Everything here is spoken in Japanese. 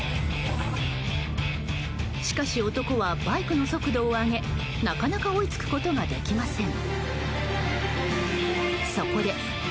しかし、男はバイクの速度を上げなかなか追いつくことができません。